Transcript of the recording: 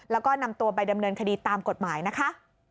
แล้วก็นำตัวไปดำเนินคดีตามกฎหมายนะคะ